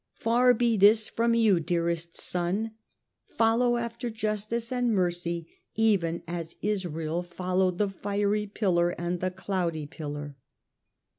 Far be this from you, dearest son ! Follow after justice and mercy, even as Israel followed the fiery pillar and the cloudy pillar."